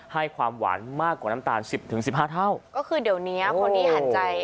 ให้ความหวานมากกว่าน้ำตาลสิบถึงสิบห้าเท่าก็คือเดี๋ยวเนี้ยคนที่หันใจ